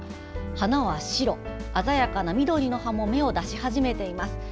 花は白、鮮やかな緑の葉も芽を出し始めています。